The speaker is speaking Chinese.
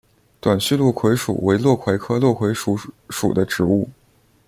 短序落葵薯为落葵科落葵薯属的植物。